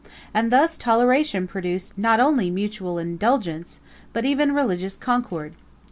And thus toleration produced not only mutual indulgence, but even religious concord.